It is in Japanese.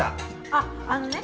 あっあのね